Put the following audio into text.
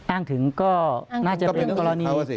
อ้างถึงก็น่าจะเป็นกรณี